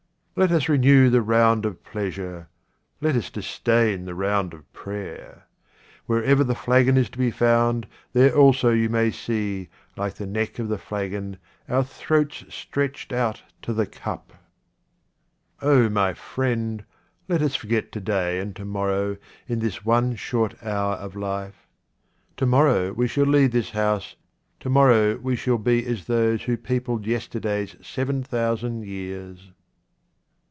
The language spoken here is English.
Let us renew the round of pleasure. Let us disdain the round of prayer. Wherever the flagon is to be found, there also you may see, like the neck of the flagon, our throats stretched out to the cup. O my friend, let us forget to day and to mor row, in this one short hour of life. To morrow we shall leave this house, to morrow we shall 10 QUATRAINS OF OMAR KHAYYAM be as those who peopled yesterday's seven thousand years.